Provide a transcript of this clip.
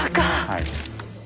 はい。